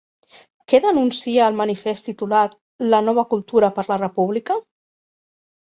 Què denuncia el manifest titulat 'La nova cultura per la república'?